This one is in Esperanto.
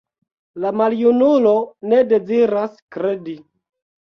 La maljunulo ne deziras kredi.